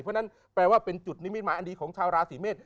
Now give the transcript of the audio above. เพราะฉะนั้นแปลว่าเป็นจุดนิมิตหมายอันดีของชาวราศีเมษ